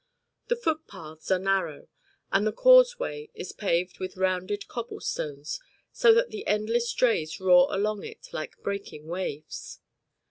The footpaths are narrow, and the causeway is paved with rounded cobblestones, so that the endless drays roar along it like breaking waves.